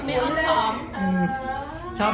ไม่ต้องไปไกลนะ